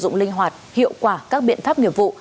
dụng linh hoạt hiệu quả các biện pháp nghiệp vụ